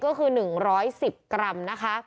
ก็คือ๑๑๐กรัม